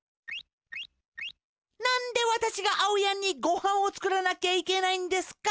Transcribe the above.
なんでわたしがあおやんにごはんをつくらなきゃいけないんですか？